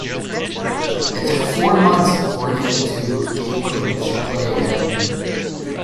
It took four months for him to gain clearance to play again.